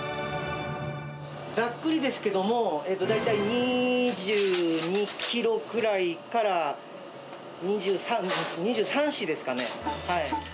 ざっくりですけども、大体２２キロくらいから、２３、４ですかね。